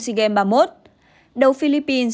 sea games ba mươi một đầu philippines